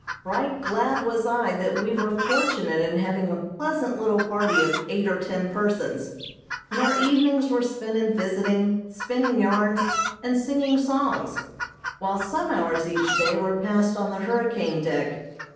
Right glad was I that we were fortunate in having a pleasant little party of eight or ten persons, and our evenings were spent in visiting, spinning yarns, and singing songs, while some hours each day were passed on the hurricane deck.